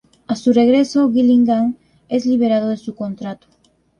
A su regreso a Gillingham, es liberado de su contrato.